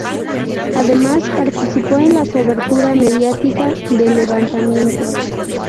Además participó en la cobertura mediática del levantamiento.